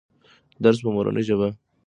درس په مورنۍ ژبه تشریح سو.